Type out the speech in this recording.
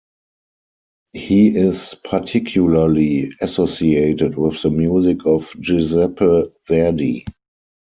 He is particularly associated with the music of Giuseppe Verdi.